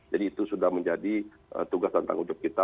jadi itu sudah menjadi tugas dan tanggung jawab kita